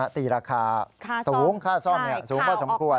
ตีราคาสูงค่าซ่อมสูงพอสมควร